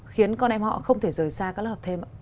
khiến con em họ không thể rời xa các loại học thêm